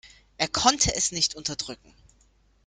Er konnte es nicht unterdrücken.